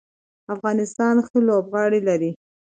افغانستان ښه لوبغاړي لري.